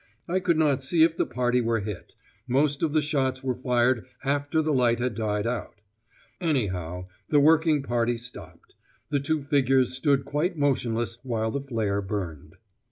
I could not see if the party were hit; most of the shots were fired after the light had died out. Anyhow, the working party stopped. The two figures stood quite motionless while the flare burned.